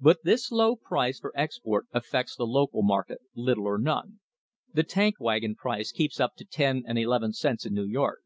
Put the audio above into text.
But this low price for export affects the local market little or none. The tank wagon price keeps up to ten and eleven cents in New York.